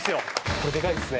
これデカいですね